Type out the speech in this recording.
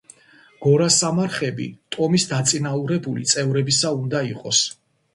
გორასამარხები ტომის დაწინაურებული წევრებისა უნდა იყოს.